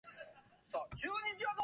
Each team is guaranteed one game per day.